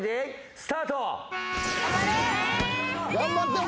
スタート。